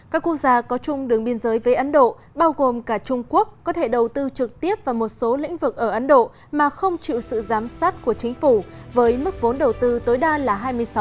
các quốc gia có chung đường biên giới với ấn độ bao gồm cả trung quốc có thể đầu tư trực tiếp vào một số lĩnh vực ở ấn độ mà không chịu sự giám sát của chính phủ với mức vốn đầu tư tối đa là hai mươi sáu